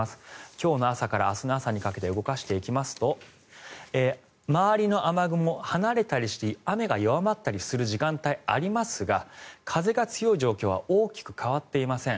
今日の朝から明日の朝にかけて動かしていきますと周りの雨雲、離れたりして雨が弱まったりする時間帯がありますが風が強い状況は大きく変わっていません。